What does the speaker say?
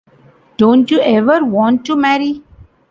Don't you ever want to marry?